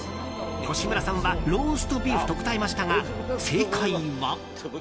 吉村さんは、ローストビーフと答えましたが正解は。